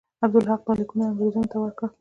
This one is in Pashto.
عبدالحق دا لیکونه انګرېزانو ته ورکړل.